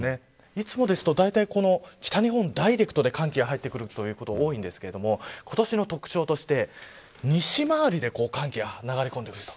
いつもですと、だいたい北日本ダイレクトで寒気が入ってくることが多いんですけど今年の特徴として西回りで寒気が流れ込んでくる。